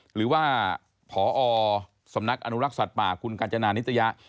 หรือว่าพอสำนักอนุรักษ์สัตว์ป่าคุณกัญจนานิตยะ